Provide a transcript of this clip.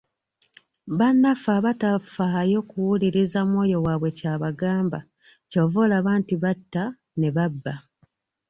Bannaffe abatafaayo kuwuliriza mwoyo waabwe ky’abagamba, ky'ova olaba nti batta, ne babba